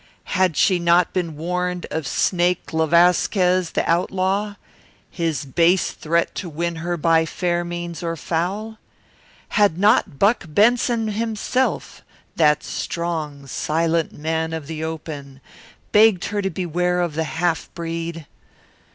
Had she not been warned of Snake le Vasquez, the outlaw his base threat to win her by fair means or foul? Had not Buck Benson himself, that strong, silent man of the open, begged her to beware of the half breed?